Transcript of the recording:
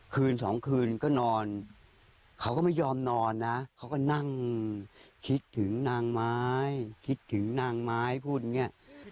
คืนสองคืนก็นอนเขาก็ไม่ยอมนอนนะเขาก็นั่งคิดถึงนางไม้คิดถึงนางไม้พูดอย่างนี้